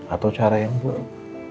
atau cara yang buruk